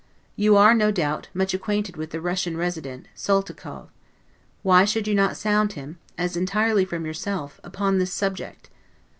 You are, no doubt, much acquainted with the Russian Resident, Soltikow; Why should you not sound him, as entirely from yourself, upon this subject?